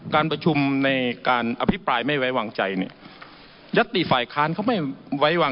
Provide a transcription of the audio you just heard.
ก้าวจริงโทะ